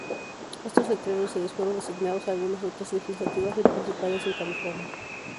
Estos letreros se les fueron asignados a algunas rutas legislativas principales en California.